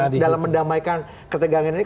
dalam mendamaikan ketegangan ini